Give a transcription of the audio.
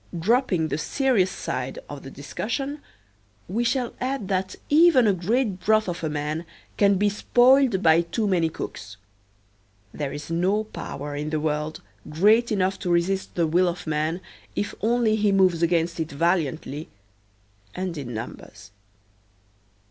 Dropping the serious side of the discussion, we shall add that even a great broth of a man can be spoiled by too many cooks. There is no power in the world great enough to resist the will of man if only he moves against it valiantly and in numbers.